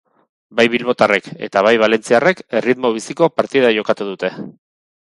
Bai bilbotarrek eta bai valentziarrek erritmo biziko partida jokatu dute.